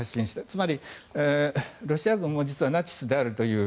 つまりロシア軍も実はナチスであるという。